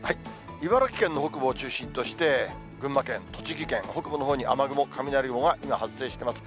茨城県の北部を中心として、群馬県、栃木県、北部のほうに雨雲、雷雲が今、発生しています。